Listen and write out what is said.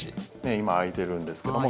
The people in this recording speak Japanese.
今、空いているんですけども。